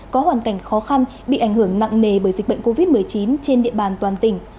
có hoàn cảnh khó khăn bị ảnh hưởng nặng nề bởi dịch bệnh covid một mươi chín trên địa bàn toàn tỉnh